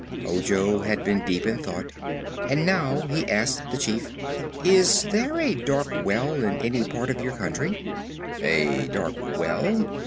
Ojo had been deep in thought, and now he asked the Chief: "Is there a dark well in any part of your country?" "A dark well?